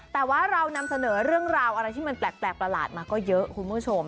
แต่ว่าเรานำเสนอเรื่องราวอะไรที่มันแปลกประหลาดมาก็เยอะคุณผู้ชม